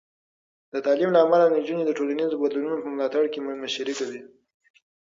د تعلیم له امله، نجونې د ټولنیزو بدلونونو په ملاتړ کې مشري کوي.